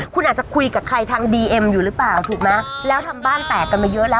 คุณอาจจะคุยกับใครทางดีเอ็มอยู่หรือเปล่าถูกไหมแล้วทำบ้านแตกกันมาเยอะแล้ว